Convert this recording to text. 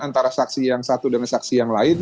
antara saksi yang satu dengan saksi yang lain